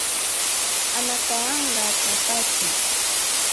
Anakaanga chapati